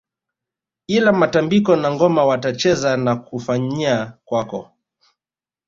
Ila matambiko na ngoma watacheza na kufanyia kwako